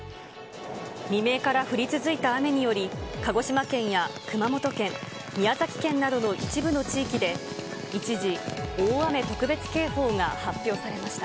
未明から降り続いた雨により、鹿児島県や熊本県、宮崎県などの一部の地域で、一時、大雨特別警報が発表されました。